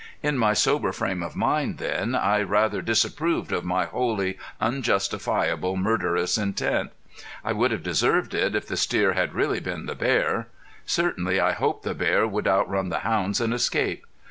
In my sober frame of mind then I rather disapproved of my wholly unjustifiable murderous intent. I would have deserved it if the steer had really been the bear. Certainly I hoped the bear would outrun the hounds and escape.